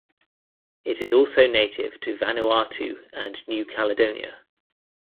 It is also native to Vanuatu and New Caledonia.